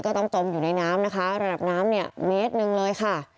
ต้องจมอยู่ในน้ำนะคะระดับน้ำเนี่ยเมตรหนึ่งเลยค่ะ